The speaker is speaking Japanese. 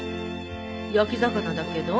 焼き魚だけど？